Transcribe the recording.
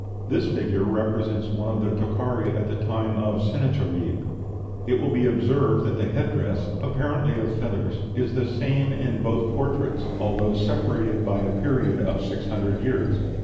This figure represents one of the Tokhari of the time of Sennacherib. It will be observed that the headdress (apparently of feathers) is the same in both portraits, al, though separated by a period of six hundred years.